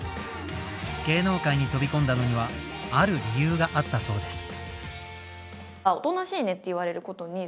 芸能界に飛び込んだのにはある理由があったそうです。